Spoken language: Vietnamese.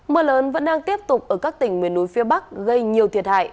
mưa lớn vẫn đang tiếp tục ở các tỉnh miền núi phía bắc gây nhiều thiệt hại